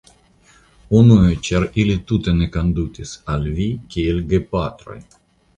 Unue, ĉar ili tute ne kondutis al vi kiel gepatroj.